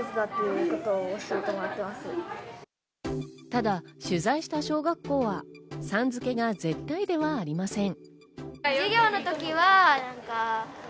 ただ、取材した小学校はさん付けが絶対ではありません。